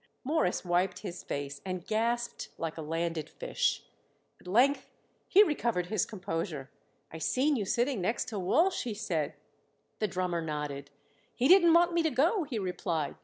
Morris wiped his face and gasped like a landed fish. At length he recovered his composure. "I seen you sitting next to Walsh," he said. The drummer nodded. "He didn't want me to go," he replied.